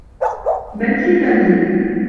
من في المنزل؟